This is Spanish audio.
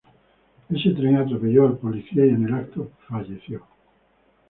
Ese tren atropelló al policía y en el acto, falleció.